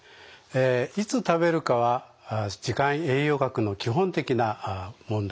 えいつ食べるかは時間栄養学の基本的な問題点ですね。